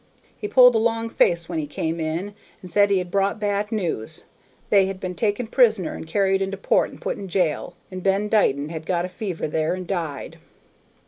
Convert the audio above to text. He pulled a long face when he came in, and said he had brought bad news. They had been taken prisoner and carried into port and put in jail, and Ben Dighton had got a fever there and died.